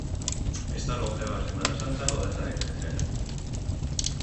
Esta longeva Semana Santa no deja de crecer.